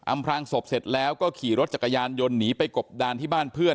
พรางศพเสร็จแล้วก็ขี่รถจักรยานยนต์หนีไปกบดานที่บ้านเพื่อน